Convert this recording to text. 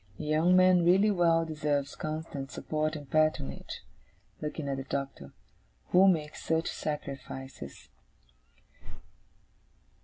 A young man really well deserves constant support and patronage,' looking at the Doctor, 'who makes such sacrifices.